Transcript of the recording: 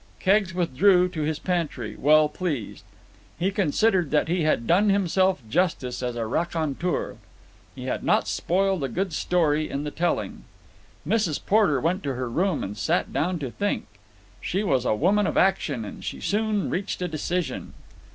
Keggs withdrew to his pantry, well pleased. He considered that he had done himself justice as a raconteur. He had not spoiled a good story in the telling. Mrs. Porter went to her room and sat down to think. She was a woman of action, and she soon reached a decision.